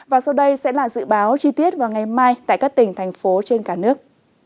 và sau đây sẽ là dự báo chi tiết vào ngày mai tại các tỉnh thành phố trên cả nước